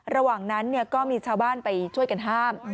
ระหว่างนั้นก็มีชาวบ้านไปช่วยกันห้าม